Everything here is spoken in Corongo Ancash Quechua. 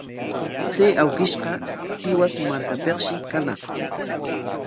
Chay awkishqa Sihuas markapikshi kañaq.